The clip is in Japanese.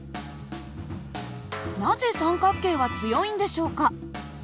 なぜ三角形は強いんでしょうか？